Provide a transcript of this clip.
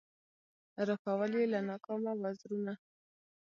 رپول یې له ناکامه وزرونه